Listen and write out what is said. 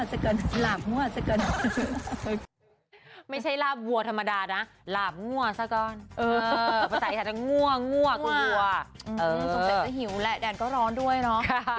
สงสัยจะหิวแหละแดนก็ร้อนด้วยเนาะ